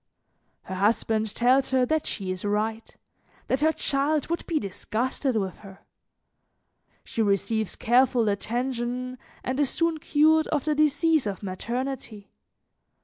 Her husband tells her that she is right, that her child would be disgusted with her. She receives careful attention and is soon cured of the disease of maternity.